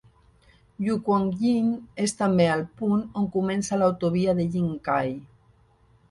Yuquanying és també el punt on comença l'autovia de Jingkai.